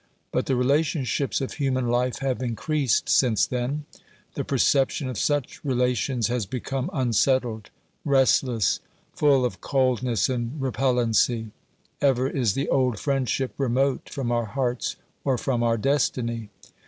But the relationships of human life have increased since then ; the perception of such relations has become unsettled, restless, full of coldness and repellency; ever is the old friendship remote from our hearts or from our destiny.